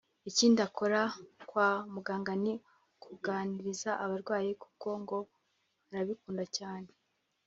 Ikindi akora kwa muganga ni ukuganiriza abarwayi kuko ngo arabikunda cyane